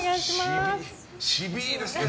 しびいですね。